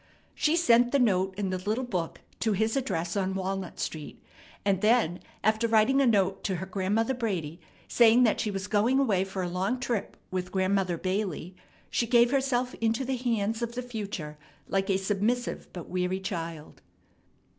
She sent the note and the little book to his address on Walnut Street; and then after writing a note to her Grandmother Brady, saying that she was going away for a long trip with Grandmother Bailey, she gave herself into the hands of the future like a submissive but weary child.